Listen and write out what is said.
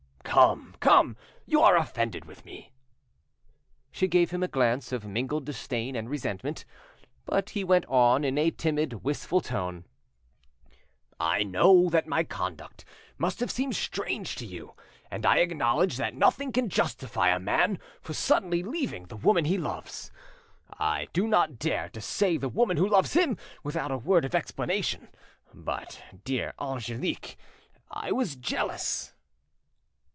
"Come, come, you are offended with me." She gave him a glance of mingled disdain and resentment; but he went on, in a timid, wistful tone— "I know that my conduct must have seemed strange to you, and I acknowledge that nothing can justify a man for suddenly leaving the woman he loves—I do not dare to say the woman who loves him—without a word of explanation. But, dear Angelique, I was jealous."